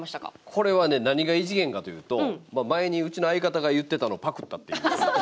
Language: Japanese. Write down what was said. これはね何が異次元かというと前にうちの相方が言ってたのをパクったという。